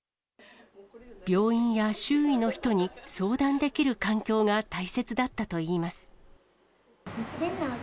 病院や周囲の人に相談できる環境が大切だったといいます。